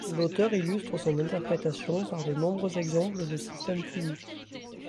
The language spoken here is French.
L’auteur illustre son interprétation par de nombreux exemples de systèmes physiques.